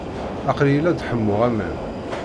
Aqli-iyi la d-ḥemmuɣ aman.